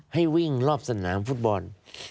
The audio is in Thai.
ให้วิ่งรอบสนามฟุตบอล